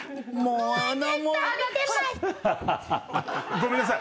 ごめんなさい。